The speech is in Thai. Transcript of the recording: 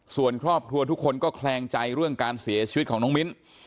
ส่วนครอบครัวทุกคนก็แคลงใจเรื่องการเสียชีวิตของน้องมิ้น